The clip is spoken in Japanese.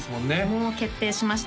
もう決定しました